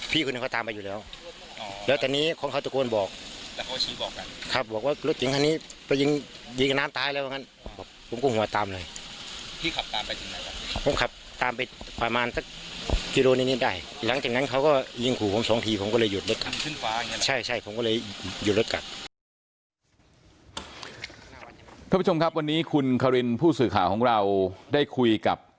คุณผู้ชมครับวันนี้คุณคารินผู้สื่อข่าวของเราได้คุยกับ